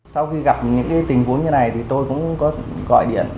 sau khi gặp những tình huống như này thì tôi cũng có gọi điện